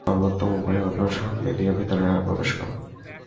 সর্বোত্তম উপায় হল সামনে দিয়ে ভিতরে প্রবেশ করা।